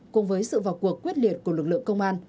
cùng với sự vào cuộc quyết liệt của lực lượng công an